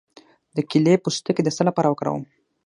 د کیلې پوستکی د څه لپاره وکاروم؟